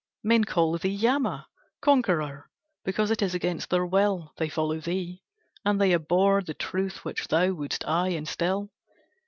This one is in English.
"Men call thee Yama conqueror, Because it is against their will They follow thee, and they abhor The Truth which thou wouldst aye instil.